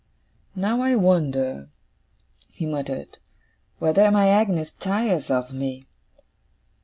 'Now I wonder,' he muttered, 'whether my Agnes tires of me.